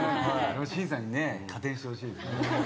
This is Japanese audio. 審査にね加点してほしいです。